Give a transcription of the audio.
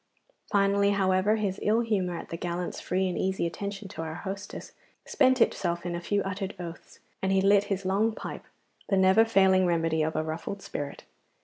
Finally, however, his ill humour at the gallant's free and easy attention to our hostess spent itself in a few muttered oaths, and he lit his long pipe, the never failing remedy of a ruffled spirit.